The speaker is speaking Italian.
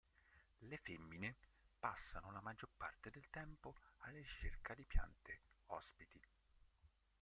Le femmine passano la maggior parte del tempo alla ricerca di piante ospiti.